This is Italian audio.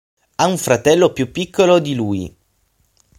Ha un fratello più piccolo di lui.